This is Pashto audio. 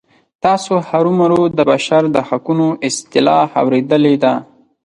تاسې هرومرو د بشر د حقونو اصطلاح اوریدلې ده.